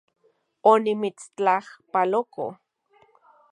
Onimitstlajpaloko